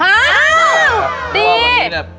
ฮ่าดีเพราะว่าวันนี้เนี่ย